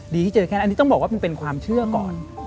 ที่เจอแค่นั้นอันนี้ต้องบอกว่ามันเป็นความเชื่อก่อน